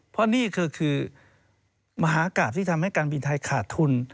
เพราะนี่คือมหากราบที่ทำให้การบินไทยขาดทุน